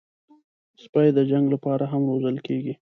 سپي د جنګ لپاره هم روزل کېږي.